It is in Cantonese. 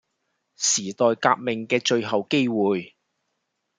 時代革命嘅最後機會